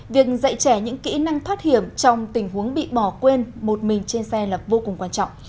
việc dạy trẻ những kỹ năng thoát hiểm trong tình huống bị bỏ quên một mình trên xe là vô cùng quan trọng